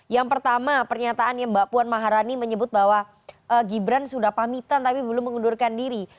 yang pertama pernyataannya mbak puan maharani menyebut bahwa gibran sudah pamitan tapi belum mengundurkan diri